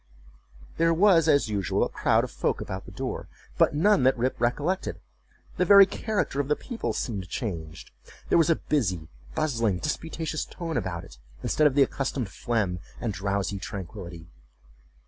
There was, as usual, a crowd of folk about the door, but none that Rip recollected. The very character of the people seemed changed. There was a busy, bustling, disputatious tone about it, instead of the accustomed phlegm and drowsy tranquillity.